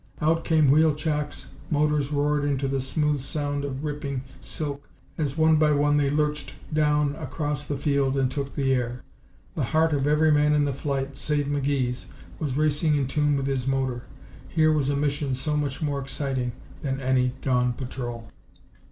Out came wheel chocks, motors roared into the smooth sound of ripping silk as one by one they lurched down across the field and took the air. The heart of every man in the flight, save McGee's, was racing in tune with his motor. Here was a mission so much more exciting than any dawn patrol.